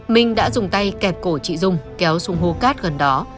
minh đã dùng tay kẹp cổ chị dung kéo xuống hô cát gần đó